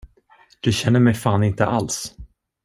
Du känner mig fan inte alls!